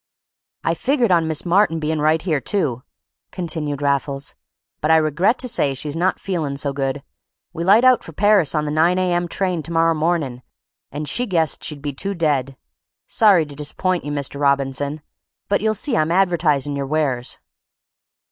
"I figured on Miss Martin bein' right here, too," continued Raffles, "but I regret to say she's not feelin' so good. We light out for Parrus on the 9 A. M. train to morrer mornin', and she guessed she'd be too dead. Sorry to disappoint you, Mr. Robinson; but you'll see I'm advertisin' your wares."